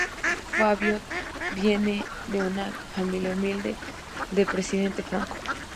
Fabio viene de una familia humilde de Presidente Franco.